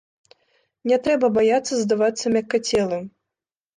Не трэба баяцца здавацца мяккацелым.